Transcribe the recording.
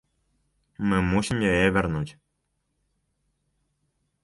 Мы мусім яе вярнуць.